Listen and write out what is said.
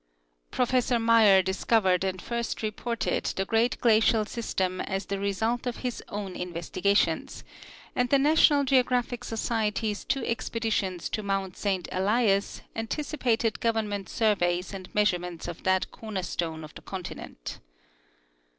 Professor Muir discovered and first reported the ^ great glacial system as the result of his own investigations, and the National Geographic Society's two expeditions to mount Saint EHas anticipated government surveys and measurements of that corner stone of the continent.